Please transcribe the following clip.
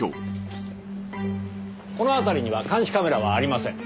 この辺りには監視カメラはありません。